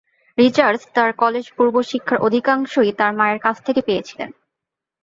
Richards তার কলেজ-পূর্ব শিক্ষার অধিকাংশই তার মায়ের কাছ থেকে পেয়েছিলেন।